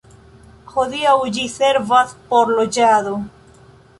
Hodiaŭ ĝi servas por loĝado.